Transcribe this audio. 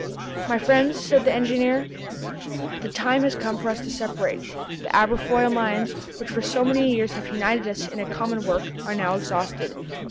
"My friends," said the engineer, "the time has come for us to separate. The Aberfoyle mines, which for so many years have united us in a common work, are now exhausted.